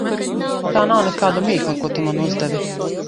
Tā nav nekāda mīkla, ko tu man uzdevi.